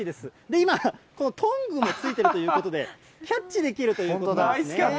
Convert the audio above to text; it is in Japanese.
今、トングも付いているということで、キャッチできるということなんですね。